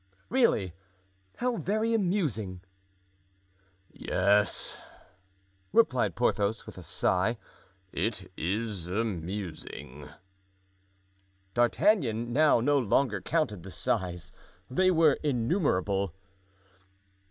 "Really, how very amusing!" "Yes," replied Porthos, with a sigh, "it is amusing." D'Artagnan now no longer counted the sighs. They were innumerable.